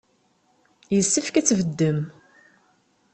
Yessefk ad tbeddem.